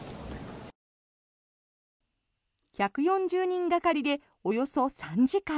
１４０人がかりでおよそ３時間。